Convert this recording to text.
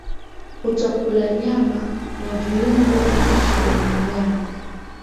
Kutokula nyama na viungo vibichi vya mnyama